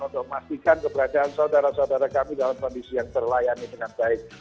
untuk memastikan keberadaan saudara saudara kami dalam kondisi yang terlayani dengan baik